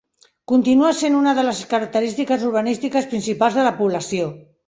Continua sent una de les característiques urbanístiques principals de la població.